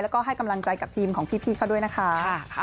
แล้วก็ให้กำลังใจกับทีมของพี่เขาด้วยนะคะ